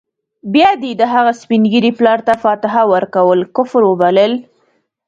بيا دې د هغه سپین ږیري پلار ته فاتحه ورکول کفر وبلل.